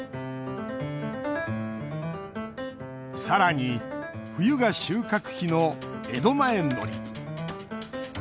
さらに、冬が収穫期の江戸前のり。